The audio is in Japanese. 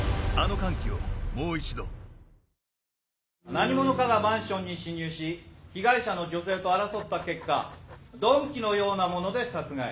何者かがマンションに侵入し被害者の女性と争った結果鈍器のようなもので殺害。